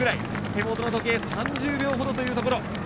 手元の時計３０秒ほどというところ。